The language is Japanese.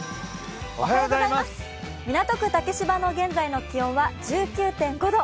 港区竹芝の現在の気温は１９．５度。